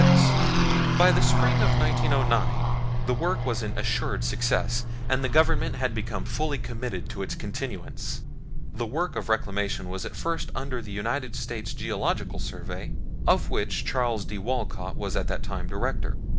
By the spring of 1909 the work was an assured success, and the Government had become fully committed to its continuance. The work of Reclamation was at first under the United States Geological Survey, of which Charles D. Walcott was at that time Director.